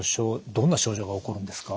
どんな症状が起こるんですか？